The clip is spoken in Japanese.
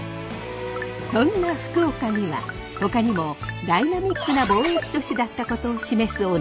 そんな福岡にはほかにもダイナミックな貿易都市だったことを示すお名前が残されているんです。